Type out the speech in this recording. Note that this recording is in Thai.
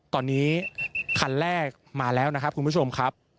ตอนนี้คันแรกมาแล้วนะครับคุณผู้ชมครับ